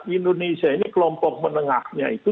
indonesia ini kelompok menengahnya itu